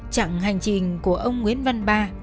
trạng hành trình của ông nguyễn văn ba